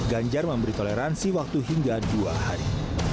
ganjar memberi toleransi waktu hingga dua hari